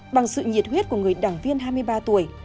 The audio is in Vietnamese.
bằng sự nhiệt huyết của người đảng viên hai mươi ba tuổi